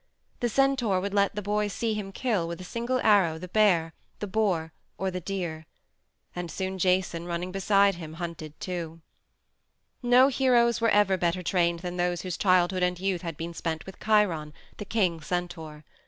The centaur would let the boy see him kill with a single arrow the bear, the boar, or the deer. And soon Jason, running beside him, hunted too. No heroes were ever better trained than those whose childhood and youth had been spent with Chiron the king centaur.